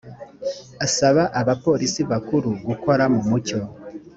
asaba abapolisi bakuru gukora mu mucyo